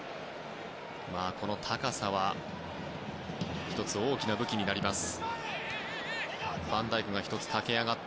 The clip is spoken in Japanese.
この高さは１つ、大きな武器になります。